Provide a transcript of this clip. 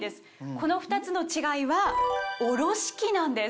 この２つの違いはおろし器なんです。